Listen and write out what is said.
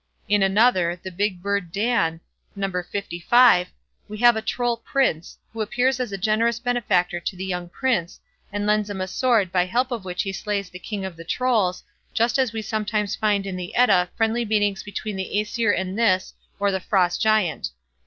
In another, "The Big Bird Dan", No. lv, we have a Troll Prince, who appears as a generous benefactor to the young Prince, and lends him a sword by help of which he slays the King of the Trolls, just as we sometimes find in the Edda friendly meetings between the Aesir and this or the Frost Giant.